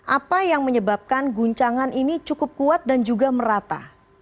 apa yang menyebabkan guncangan ini cukup kuat dan juga merata